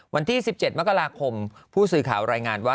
วันที่๑๗มกราคมผู้สื่อข่าวรายงานว่า